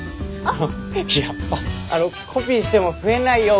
あのコピーしても増えないよ